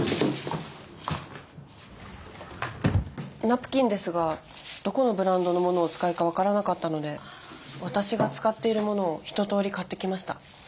ナプキンですがどこのブランドのものをお使いか分からなかったので私が使っているものを一とおり買ってきました。